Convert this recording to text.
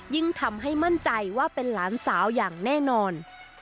ยิ่งทำให้มั่นใจว่าเป็นหลานสาวอย่างแน่นอน